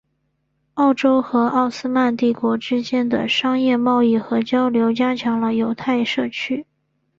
欧洲和奥斯曼帝国之间的商业贸易和交流加强了犹太社区。